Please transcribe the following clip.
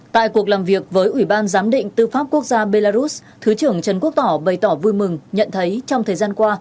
tại cuộc làm việc với ủy ban giám định tư pháp quốc gia belarus thứ trưởng trần quốc tỏ bày tỏ vui mừng nhận thấy trong thời gian qua